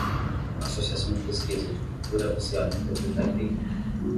Associação de pesquisa de pintura oceânica de Taipei